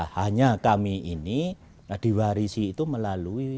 hanya kami ini diwarisi itu melalui